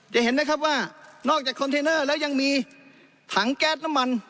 จะเห็นนะครับว่านอกจากคอนเทนเนอร์แล้วยังมีถังแก๊สน้ำมัน